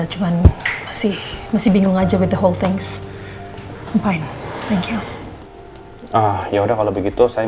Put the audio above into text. cuman masih masih bingung aja with the whole thing fine thank you ya udah kalau begitu saya